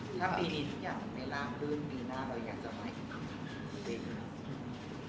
ถ้าปีนี้อยากไปล้างเรื่องปีหน้าเราอยากจะไป